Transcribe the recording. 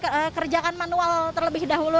kita kerjakan manual terlebih dahulu